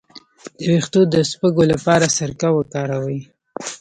د ویښتو د شپږو لپاره سرکه وکاروئ